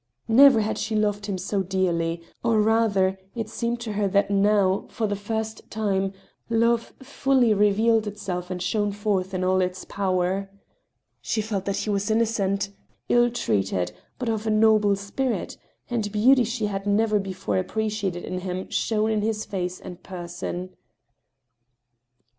Never had she loved him so dearly; or, rather, it seemed to her that now, for the first time, love fully revealed itself and shone forth in all its power. She felt that he was innocent, ill treated, but of a noble spirit ; a beauty she had never before appre ciated in him shone in his face and person.